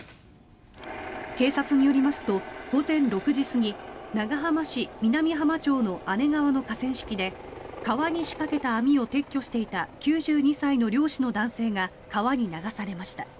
警察によりますと午前６時過ぎ長浜市南浜町の姉川の河川敷で川に仕掛けた網を撤去していた９２歳の漁師の男性が川に流されました。